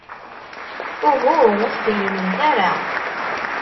Uhu, ur tefhimemt ara.